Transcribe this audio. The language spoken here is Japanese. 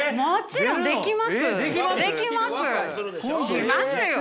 しますよ。